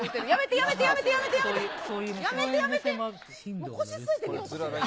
やめて、やめて、やめて、やめて、やめて。